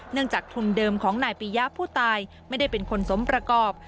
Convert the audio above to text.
จากทุนเดิมของนายปียะผู้ตายไม่ได้เป็นคนสมประกอบ